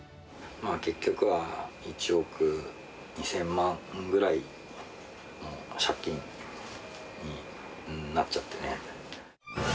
結局は、１億２０００万くらいの借金になっちゃってね。